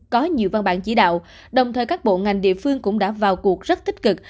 có nhiều văn bản chỉ đạo đồng thời các bộ ngành địa phương cũng đã vào cuộc rất tích cực